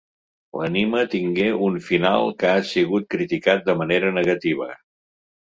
L'anime tingué un final que ha sigut criticat de manera negativa.